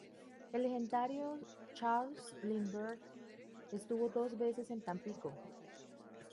El legendario Charles Lindbergh estuvo dos veces en Tampico.